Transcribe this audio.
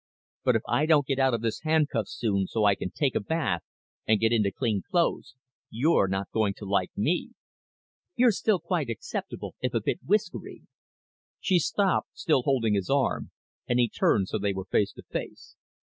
But if I don't get out of this handcuff soon so I can take a bath and get into clean clothes, you're not going to like me." "You're still quite acceptable, if a bit whiskery." She stopped, still holding his arm, and he turned so they were face to face.